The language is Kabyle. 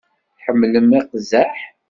Tḥemmlem iqzaḥ?